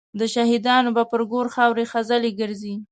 د شهیدانو به پر ګور خاوري خزلي ګرځي